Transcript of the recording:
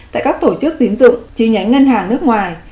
tại các tổ chức tín dụng chi nhánh ngân hàng nước ngoài